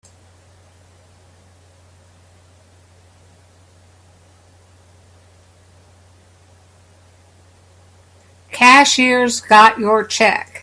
Cashier's got your check.